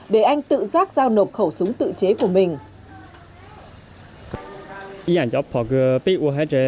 để anh tự rác giao nổ khẩu súng tự chế của mình